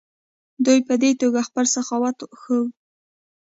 دوی په دې توګه خپل سخاوت ښوده.